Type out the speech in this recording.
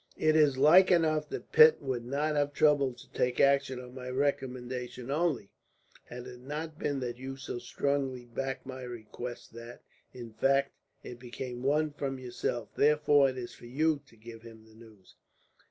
"It is like enough that Pitt would not have troubled to take action on my recommendation only, had it not been that you so strongly backed my request that, in fact, it became one from yourself. Therefore it is for you to give him the news."